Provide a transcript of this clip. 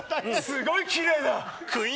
すごいきれいだ。